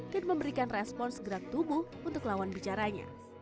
dan memberikan respons gerak tubuh untuk lawan bicaranya